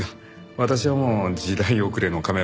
私はもう時代遅れのカメラマンですよ。